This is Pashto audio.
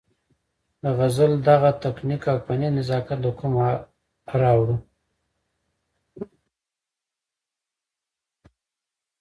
د غزل دغه تکنيک او فني نزاکت له کومه راوړو-